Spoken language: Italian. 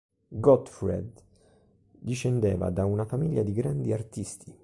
Gottfried discendeva da una famiglia di grandi artisti.